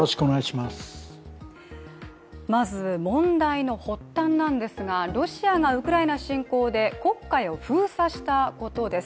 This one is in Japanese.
まず、問題の発端なんですが、ロシアがウクライナ侵攻で黒海を封鎖したことです。